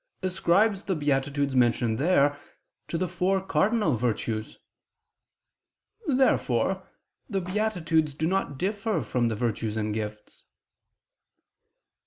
ascribes the beatitudes mentioned there, to the four cardinal virtues. Therefore the beatitudes do not differ from the virtues and gifts.